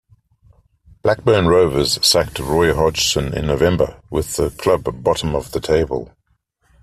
Blackburn Rovers sacked Roy Hodgson in November, with the club bottom of the table.